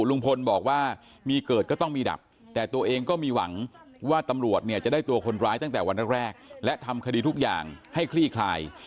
ลุงพลบอกว่ามีเกิดก็ต้องมีดับแต่ตัวเองก็มีหวังว่าตำรวจเนี่ยจะได้ตัวคนร้ายตั้งแต่วันแรกและทำคดีทุกอย่างให้คลี่คลาย